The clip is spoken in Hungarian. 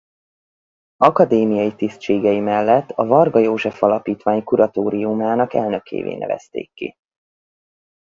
Akadémiai tisztségei mellett a Varga József Alapítvány kuratóriumának elnökévé nevezték ki.